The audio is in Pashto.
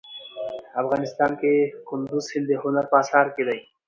افغانستان کې کندز سیند د هنر په اثار کې دی.